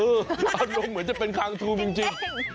อารมณ์เหมือนจะเป็นคางทูมจริง